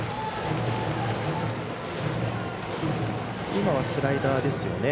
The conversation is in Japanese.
今のはスライダーですね。